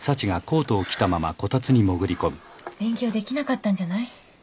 勉強できなかったんじゃない？